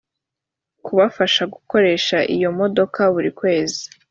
kubafasha gukoresha iyo modoka buri kwezi